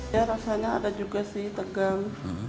ya rasanya ada juga sih tegang